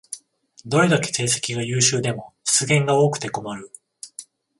どれだけ成績が優秀でも失言が多くて困る